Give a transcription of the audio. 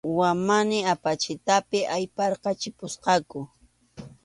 Wamani apachitapi ayparqachikusqaku.